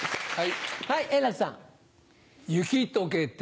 はい。